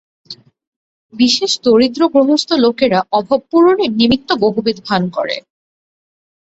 বিশেষ দরিদ্র গৃহস্থ লোকেরা অভাব পূরণের নিমিত্ত বহুবিধ ভান করে।